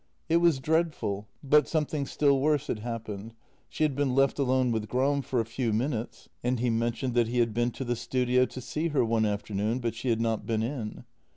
It was dreadful — but something still worse had happened. She had been left alone with Gram for a few minutes and he mentioned that he had been to the studio to see her one afternoon, but she had not been in.